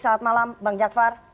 salam malam bang jakvar